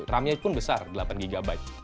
ram nya pun besar delapan gb